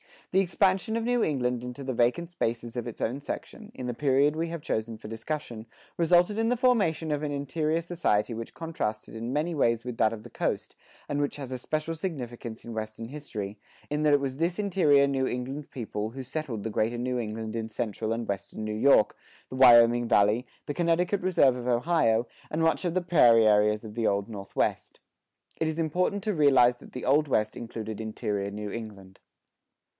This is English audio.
The expansion of New England into the vacant spaces of its own section, in the period we have chosen for discussion, resulted in the formation of an interior society which contrasted in many ways with that of the coast, and which has a special significance in Western history, in that it was this interior New England people who settled the Greater New England in central and western New York, the Wyoming Valley, the Connecticut Reserve of Ohio, and much of the prairie areas of the Old Northwest. It is important to realize that the Old West included interior New England.